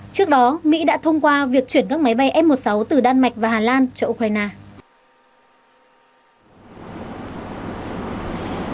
trước đó mỹ đã thông qua việc chuyển các máy bay f một mươi sáu từ đan mạch và hà lan cho ukraine